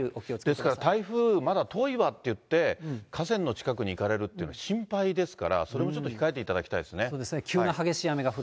急な雷雨、ですから台風、まだ遠いわっていって、河川の近くに行かれるっていうのは心配ですから、それもちょっとそうですね。